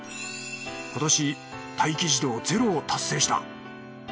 今年待機児童ゼロを達成した。